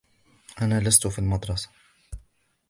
أنا لست في المدرسة.